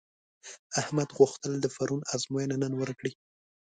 احمد غوښتل د پرون ازموینه نن ورکړي.